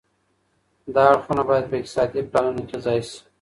دا اړخونه باید په اقتصادي پلانونو کي ځای سي.